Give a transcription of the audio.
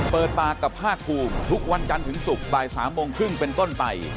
เปิดปากกับภาคภูมิทุกวันจันทร์ถึงศุกร์บ่าย๓โมงครึ่งเป็นต้นไป